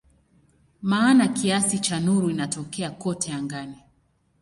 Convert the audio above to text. Maana kiasi cha nuru inatokea kote angani.